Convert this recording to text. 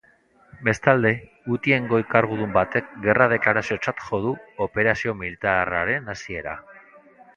Bestalde, hutien goi kargudun batek gerra deklaraziotzat jo du operazio militarraren hasiera.